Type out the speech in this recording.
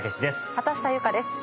畑下由佳です。